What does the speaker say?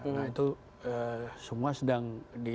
nah itu semua sedang